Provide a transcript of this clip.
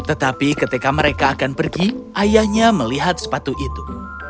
tetapi ketika mereka akan pergi ayahnya melihat sepatu itu